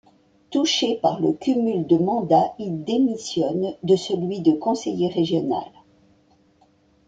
Touché par le cumul de mandats, il démissionne de celui de conseiller régional.